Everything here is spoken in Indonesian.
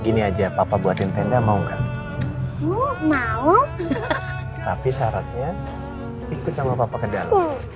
gini aja papa buatin tenda mau enggak mau tapi syaratnya ikut sama papa ke dalam